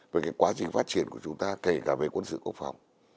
về cái quá trình phát triển của chúng ta kể cả về quân sự quốc phòng